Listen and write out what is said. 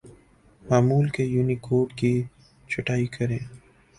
معمول کے یونیکوڈ کی چھٹائی کریں